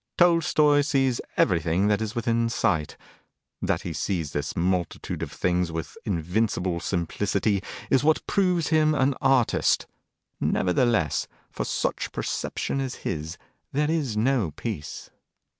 Tolstoi sees everything that is within sight. That he sees this multitude of things with invincible simplicity is what proves him an artist; nevertheless, for such perception as his there is no peace.